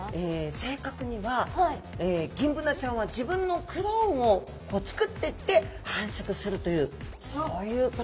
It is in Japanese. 正確にはギンブナちゃんは自分のクローンをつくってって繁殖するというそういうことなんですね。